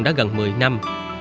đã gần một mươi năm